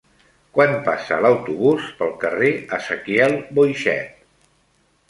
Quan passa l'autobús pel carrer Ezequiel Boixet?